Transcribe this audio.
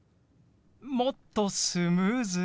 もっとスムーズに。